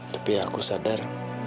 tapi aku sadar